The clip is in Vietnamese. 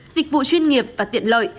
dịch vụ chuyên nghiệp và tiện lợi